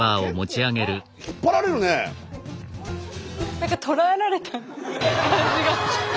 何か捕らえられた感じが。